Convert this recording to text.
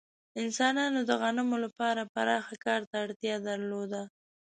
انسانانو د غنمو لپاره پراخ کار ته اړتیا درلوده.